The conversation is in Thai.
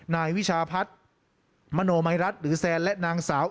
นายวิชาพัฒน์มโนมัยรัฐหรือแซนและนางสาว